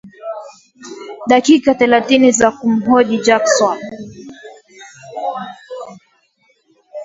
dakika thelathini za kumhoji Jackson